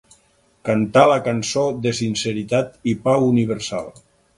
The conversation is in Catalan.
Cantar la cançó de sinceritat i pau universal.